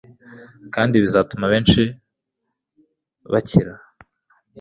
kandi bizatuma abenshi bakira